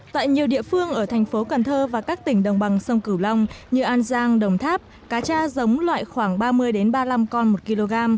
tại nhiều địa phương ở thành phố cần thơ và các tỉnh đồng bằng sông cửu long như an giang đồng tháp cá cha giống loại khoảng ba mươi ba mươi năm con một kg